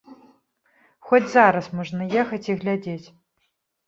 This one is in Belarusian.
Хоць зараз можна ехаць і глядзець!